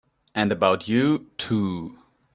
And about you too!